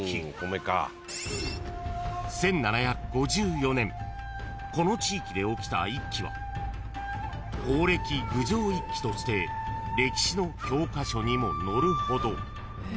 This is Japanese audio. ［１７５４年この地域で起きた一揆は宝暦郡上一揆として歴史の教科書にも載るほど］